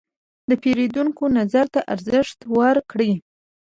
د پیرودونکو نظر ته ارزښت ورکړئ.